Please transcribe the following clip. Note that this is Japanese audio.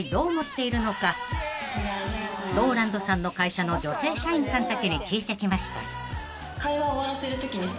［ローランドさんの会社の女性社員さんたちに聞いてきました］